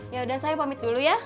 ya udah saya pamit dulu ya